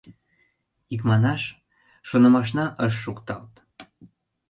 Икманаш, шонымашна ыш шукталт.